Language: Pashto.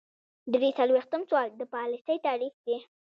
درې څلویښتم سوال د پالیسۍ تعریف دی.